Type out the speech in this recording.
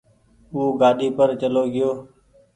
او گآڏي پر چلو گئيو